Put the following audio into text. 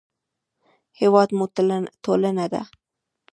هېواد مو ټولنه ده